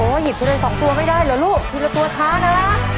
โอ้ยหยิบทีละสองตัวไม่ได้เหรอลูกทีละตัวช้านะ